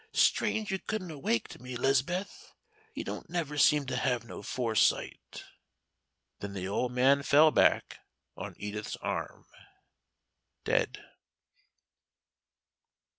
Strange you couldn't a' waked me, 'Liz'beth! You don't never seem to have no foresight." Then the old man fell back on Edith's arm, dead.